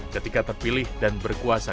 ketika terpilih dan berkuasa